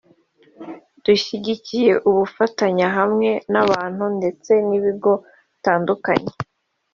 dushyigikiye ubufatanye hamwe n’abantu ndetse n’ibigo bitandukanye